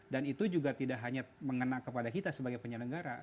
dan itu juga tidak hanya mengenal kepada kita sebagai penyelenggara